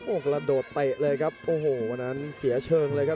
โอ้โหกระโดดเตะเลยครับโอ้โหวันนั้นเสียเชิงเลยครับ